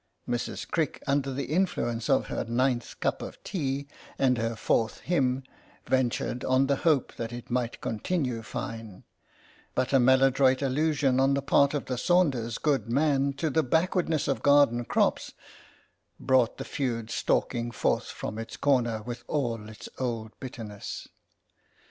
Mrs. Crick, BLOOD FEUD OF TOAD WATER 37 under the influence of her ninth cup of tea and her fourth hymn, ventured on the hope that it might continue fine, but a maladroit allusion on the part of the Saunders good man to the backwardness of garden crops brought the Feud stalking forth from its corner with all its old bitterness.